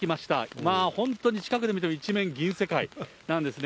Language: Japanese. まあ本当に近くで見ると一面銀世界なんですね。